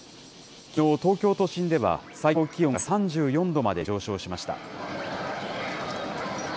きのう、東京都心では最高気温が３４度まで上昇しました。